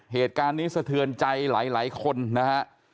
เหตุการณ์นี้สะเทือนใจหลายคนนะฮะ